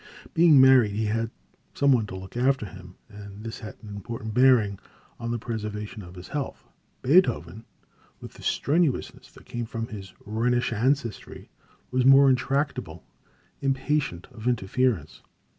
Being married he had some one to look after him, and this had an important bearing on the preservation of his health. Beethoven, with the strenuousness that came from his Rhenish ancestry, was more intractable, impatient of interference.